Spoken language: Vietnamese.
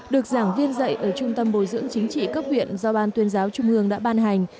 được giảng viên dạy ở trung tâm bồi dưỡng chính trị cấp huyện do ban tuyên giáo trung ương đã ban hành